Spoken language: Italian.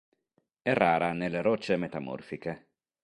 È rara nelle rocce metamorfiche.